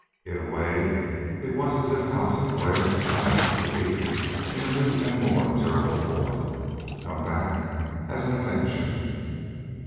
In a way it was as if Hal Sinclair had come back to Me in a new and more terrible form, come back as an avenger.